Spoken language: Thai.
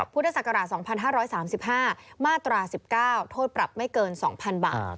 พุทธศักราช๒๕๓๕มาตรา๑๙โทษปรับไม่เกิน๒๐๐๐บาท